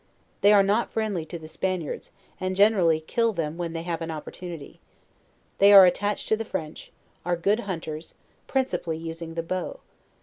They are not friendly to the Span iards, and generally kill them when they have an opportuni ty. They are attached to the French; are good hunters, principally using the bow.